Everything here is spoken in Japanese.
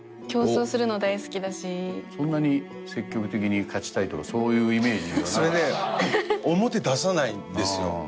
競争するの大好きだしそんなに積極的に勝ちたいとかそういうイメージはないそれね表出さないんですよ